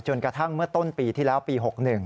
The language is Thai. กระทั่งเมื่อต้นปีที่แล้วปี๖๑